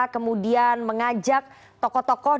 kemudian mengajak tokoh tokoh